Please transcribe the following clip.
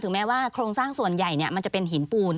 แม้ว่าโครงสร้างส่วนใหญ่มันจะเป็นหินปูน